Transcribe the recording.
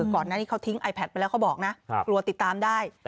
ก่อนหน้านี้เขาทิ้งไอแพทไปแล้วเขาบอกนะกลัวติดตามได้